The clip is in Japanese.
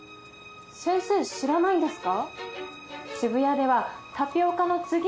先生知らないんですか？